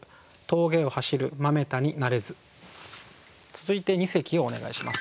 続いて二席をお願いします。